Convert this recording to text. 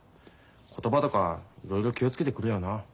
言葉とかいろいろ気を付けてくれよな。